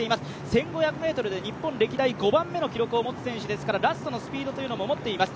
１５００ｍで日本歴代５番目の記録を持つ選手ですからラストのスピードも持っています。